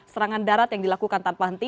serangan darat yang dilakukan tanpa henti